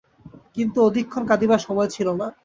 কিন্তু অধিকক্ষণ কাঁদিবার সময় ছিল না।